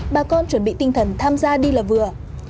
bà con chuẩn bị tinh thần tham gia đi là vừa